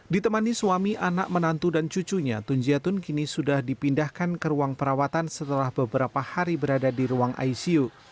ditemani suami anak menantu dan cucunya tunjiatun kini sudah dipindahkan ke ruang perawatan setelah beberapa hari berada di ruang icu